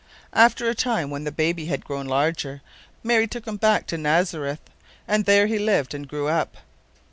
After a time, when the baby had grown larger, Mary took Him back to Nazareth, and there He lived and grew up.